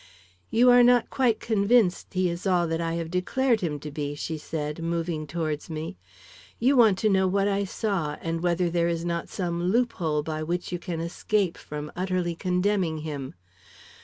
"You are not quite convinced he is all that I have declared him to be?" she said, moving towards me. "You want to know what I saw and whether there is not some loophole by which you can escape from utterly condemning him.